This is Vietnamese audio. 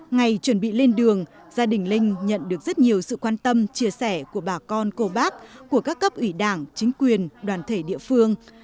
ngày chuẩn bị lên đường gia đình linh nhận được rất nhiều sự quan tâm chia sẻ của bà con cô bác của các cấp ủy đảng chính quyền đoàn thể địa phương